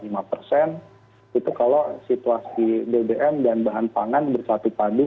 itu kalau situasi bbm dan bahan pangan bersatu padu